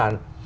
bất động sản